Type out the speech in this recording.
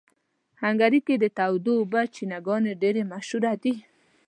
هنګري کې د تودو اوبو چینهګانې ډېرې مشهوره دي.